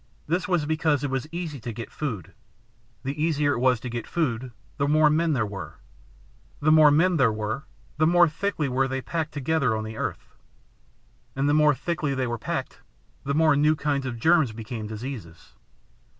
This was because it was easy to get food. The easier it was to get food, the more men there were; the more men there were, the more thickly were they packed together on the earth; and the more thickly they were packed, the more new kinds of germs became diseases.